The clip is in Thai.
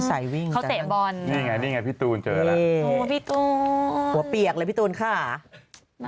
ใส่หมวกไข่หมวกอะไร